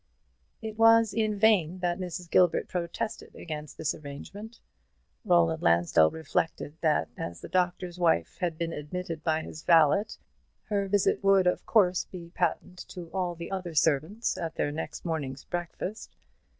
It was in vain that Mrs. Gilbert protested against this arrangement. Roland Lansdell reflected that as the Doctor's Wife had been admitted by his valet, her visit would of course be patent to all the other servants at their next morning's breakfast.